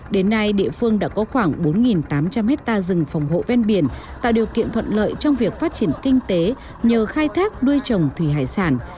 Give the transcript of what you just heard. đến nay địa phương đã có khoảng bốn tám trăm linh hectare rừng phòng hộ ven biển tạo điều kiện thuận lợi trong việc phát triển kinh tế nhờ khai thác nuôi trồng thủy hải sản